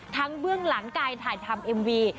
เบื้องหลังการถ่ายทำเอ็มวี